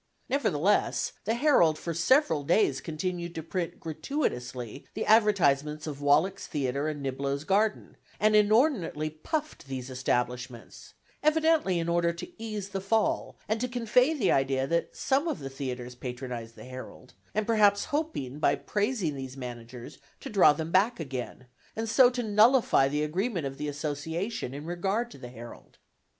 Nevertheless, the Herald for several days continued to print gratuitously the advertisements of Wallack's Theatre and Niblo's Garden, and inordinately puffed these establishments, evidently in order to ease the fall, and to convey the idea that some of the theatres patronized the Herald, and perhaps hoping by praising these managers to draw them back again, and so to nullify the agreement of the Association in regard to the Herald.